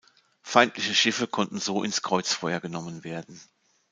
Feindliche Schiffe konnten so ins Kreuzfeuer genommen werden.